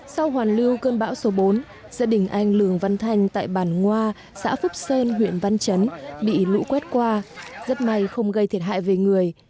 sau hoàn lưu cơn bão số bốn gia đình anh lường văn thanh tại bản ngoa xã phúc sơn huyện văn chấn bị lũ quét qua rất may không gây thiệt hại về người